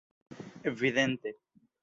evidente